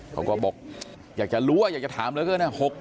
เขาก็บอกอยากจะรู้อยากจะถามแล้วนะครับ